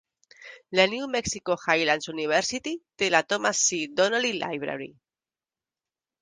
La New Mexico Highlands University té la Thomas C. Donnelly Library.